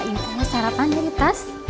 ini kalau sarapan jadi tas